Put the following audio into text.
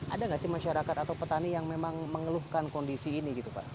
ada nggak sih masyarakat atau petani yang memang mengeluhkan kondisi ini gitu pak